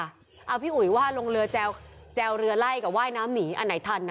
อ้าวพี่อุ๋ยว่าลงเรือแจวแจวเรือไล่กับไหว้น้ำหนีอันไหนทันอ่ะ